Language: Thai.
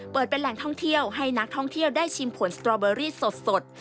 เป็นแหล่งท่องเที่ยวให้นักท่องเที่ยวได้ชิมผลสตรอเบอรี่สด